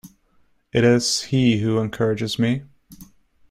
It is he who encourages me.